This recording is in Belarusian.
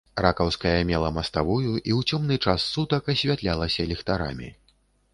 Ракаўская мела маставую і ў цёмны час сутак асвятлялася ліхтарамі.